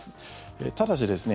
ただしですね